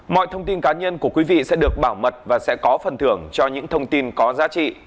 mọi thông tin cá nhân của quý vị sẽ được bảo mật và sẽ có phần thưởng cho những thông tin có giá trị